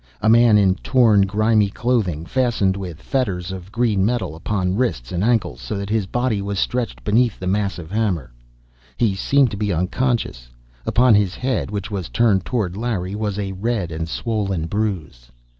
A man in torn, grimy clothing, fastened with fetters of green metal upon wrists and ankles, so that his body was stretched beneath the massive hammer. He seemed to be unconscious; upon his head, which was turned toward Larry, was a red and swollen bruise.